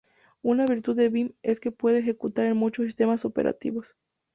Una virtud de Vim es que se puede ejecutar en muchos sistemas operativos.